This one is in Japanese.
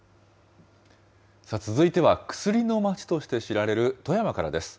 続いては、くすりの街として知られる富山からです。